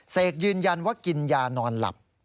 เสกยืนยันว่ากินยานอนหลับ